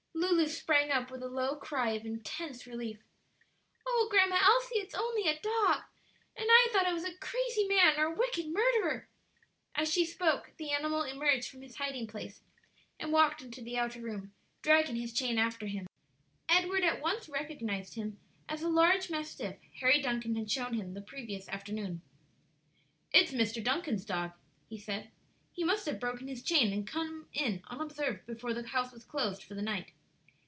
Lulu sprang up with a low cry of intense relief. "O Grandma Elsie, it's only a dog, and I thought it a crazy man or a wicked murderer!" As she spoke the animal emerged from his hiding place and walked into the outer room, dragging his chain after him. Edward at once recognized him as a large mastiff Harry Duncan had shown him the previous afternoon. "It's Mr. Duncan's dog," he said; "he must have broken his chain and come in unobserved before the house was closed for the night.